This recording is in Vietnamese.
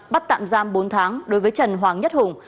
bắt tạm giam bốn tháng đối với trần hoàng nhất hùng